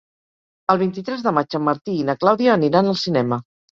El vint-i-tres de maig en Martí i na Clàudia aniran al cinema.